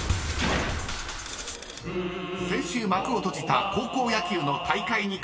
［先週幕を閉じた高校野球の大会に関する問題］